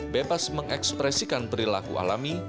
bebas mengekspresikan perilaku alami